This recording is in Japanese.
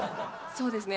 そうですね